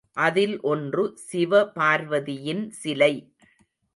அதில் ஒன்று சிவபார்வதியின் சிலை.